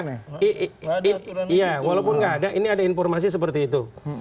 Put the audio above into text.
iya walaupun nggak ada ini ada informasi seperti itu